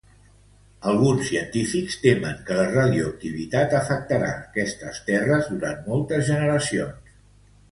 Alguns científics temen que la radioactivitat afectarà estes terres durant moltes generacions.